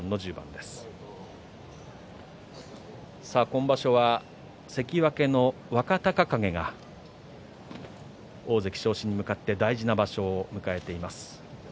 今場所は関脇の若隆景が大関昇進に向けて大事な場所を迎えています。